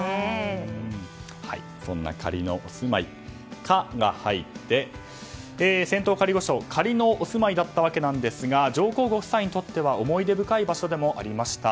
そんな仮のお住まい「カ」が入って仙洞仮御所仮のお住まいだったわけですが上皇ご夫妻にとっては思い出深い場所でもありました。